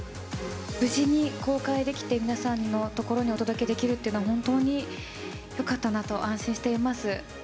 無事に公開できて、皆様の所にお届けできるって、本当によかったなと安心しています。